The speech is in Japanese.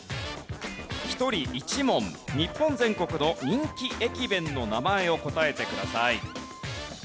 １人１問日本全国の人気駅弁の名前を答えてください。